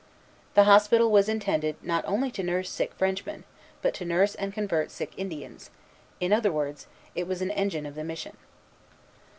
The hospital was intended not only to nurse sick Frenchmen, but to nurse and convert sick Indians; in other words, it was an engine of the mission.